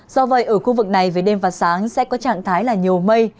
do vậy ở khu vực này về đêm và sáng sẽ có trạng thái là nhiều mây